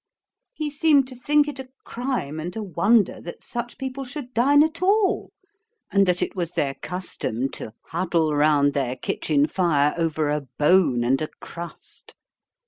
He seemed to think it a crime and a wonder that such people should dine at all, and that it was their custom to huddle round their kitchen fire over a bone and a crust.